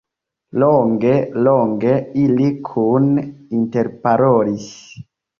Longe, longe ili kune interparolis.